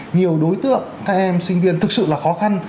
nhiều đối tượng các em sinh viên thực sự là khó khăn